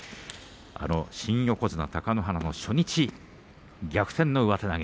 新横綱貴乃花の初日逆転の上手投げ